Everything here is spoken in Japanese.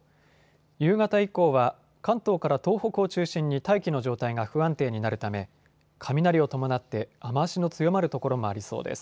夕方以降は関東から東北を中心に大気の状態が不安定になるため雷を伴って雨足の強まる所もありそうです。